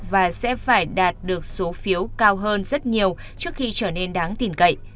và sẽ phải đạt được số phiếu cao hơn rất nhiều trước khi trở nên đáng tin cậy